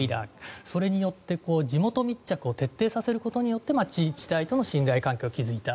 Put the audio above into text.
それによって、地元密着を徹底させることによって自治体との信頼関係を築いた。